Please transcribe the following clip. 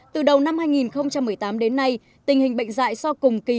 từ đầu năm hai nghìn một mươi tám đến nay tình hình bệnh dạy so cùng kỳ